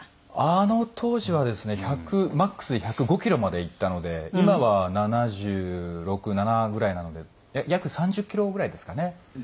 あの当時はですね１００マックスで１０５キロまでいったので今は７６７７ぐらいなので約３０キロぐらいですかね落としてはい。